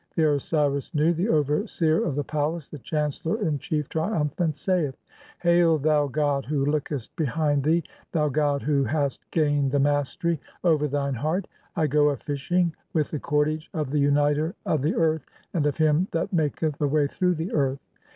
The Osiris Nu, the overseer of the palace, the chancellor in chief, triumphant, saith :— "Hail, thou 'god who lookest behind thee', thou 'god who "hast gained the mastery (2) over thine heart', I go a fishing "with the cordage of the 'uniter of the earth', and of him that "maketh a way through the earth.